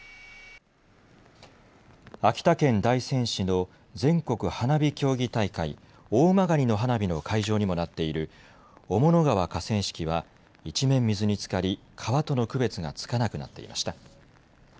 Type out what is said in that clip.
秋田県大仙市の全国花火競技大会、大曲の花火の会場にもなっている雄物川河川敷は一面、水につかり川との区別がつかなくなっていました。